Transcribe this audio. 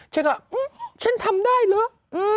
ฉันก็ฉันทำได้เหรอ